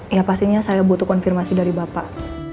ya pastinya saya butuh konfirmasi dari bapak